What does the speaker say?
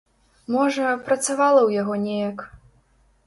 Можа, працавала ў яго неяк.